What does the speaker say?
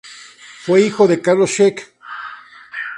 Fue hijo de Carlos Scheck.